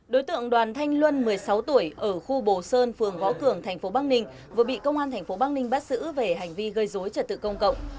đối tượng đoàn thanh luân một mươi sáu tuổi ở khu bồ sơn phường gó cường tp bắc ninh vừa bị công an tp bắc ninh bắt giữ về hành vi gây dối trật tự công cộng